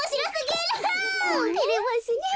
てれますねえ。